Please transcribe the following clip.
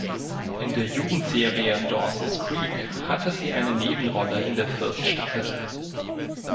In der Jugendserie "Dawson’s Creek" hatte sie eine Nebenrolle in der vierten Staffel.